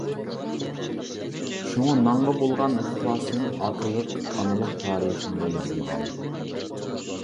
شۇڭا نانغا بولغان ئىخلاسىم ئاتىلىق، ئانىلىق تارىخىمغا يېزىلغان.